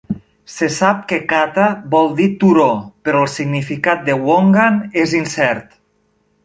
Se sap que "katta" vol dir "turó", però el significat de "wongan" és incert.